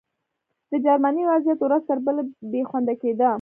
د جرمني وضعیت ورځ تر بلې بې خونده کېده